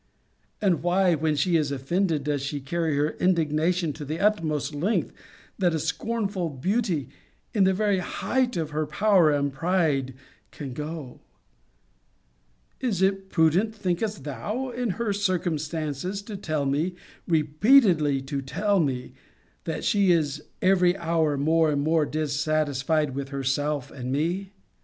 And why, when she is offended, does she carry her indignation to the utmost length that a scornful beauty, in the very height of her power and pride, can go? Is it prudent, thinkest thou, in her circumstances, to tell me, repeatedly to tell me, 'That she is every hour more and more dissatisfied with herself and me?